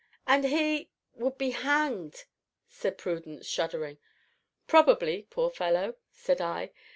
"And he would be hanged!" said Prudence, shuddering. "Probably poor fellow!" said I.